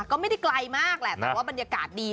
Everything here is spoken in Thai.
ก็ไม่ได้ไกลมากแหละแต่ว่าบรรยากาศดี